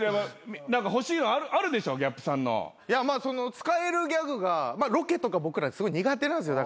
使えるギャグがロケとか僕らすごい苦手なんですよ。